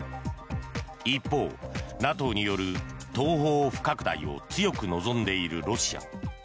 一方、ＮＡＴＯによる東方不拡大を強く望んでいるロシア。